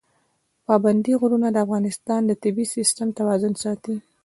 پابندی غرونه د افغانستان د طبعي سیسټم توازن ساتي.